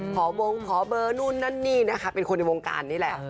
วงขอเบอร์นู่นนั่นนี่นะคะเป็นคนในวงการนี่แหละ